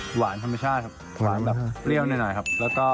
หวานธรรมชาติครับหวานแบบเปรี้ยวหน่อยครับแล้วก็